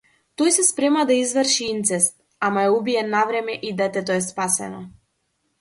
Тој се спрема да изврши инцест, ама е убиен навреме и детето е спасено.